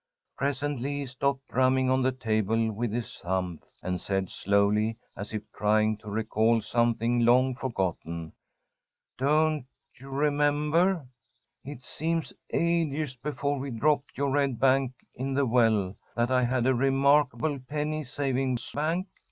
Presently he stopped drumming on the table with his thumbs, and said, slowly, as if trying to recall something long forgotten: "Don't you remember, it seems ages before we dropped your red bank in the well, that I had a remarkable penny savings bank?